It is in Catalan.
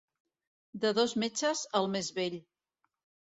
De dos metges, el més vell.